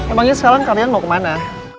emangnya sekarang kalian mau kemana